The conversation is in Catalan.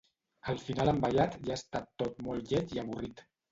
Al final han ballat i ha estat tot molt lleig i avorrit.